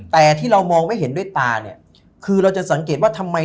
แต่ที่เรามองไม่เห็นด้วยตาเนี่ยคือเราจะสังเกตว่าทำไม